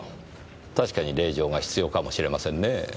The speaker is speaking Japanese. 確かに令状が必要かもしれませんねぇ。